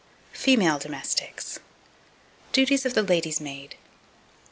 FEMALE DOMESTICS. DUTIES OF THE LADY'S MAID.